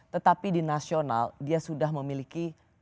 tetapi di nasional dia sudah memiliki